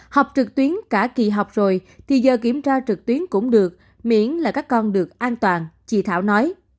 học trực tuyến cả kỳ học rồi thì giờ kiểm tra trực tuyến cũng được miễn là các con được an toàn chị thảo nói